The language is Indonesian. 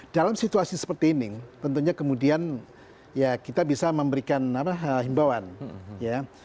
dalam situasi seperti ini tentunya kemudian ya kita bisa memberikan himbauan ya